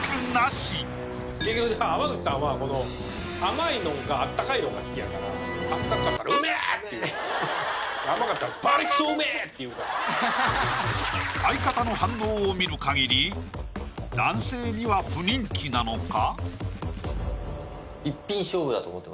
濱口さんは相方の反応を見る限り男性には不人気なのか？